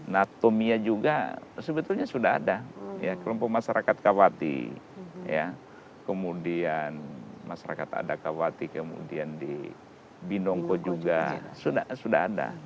natomia juga sebetulnya sudah ada kelompok masyarakat kawati kemudian masyarakat ada kawati kemudian di binongko juga sudah ada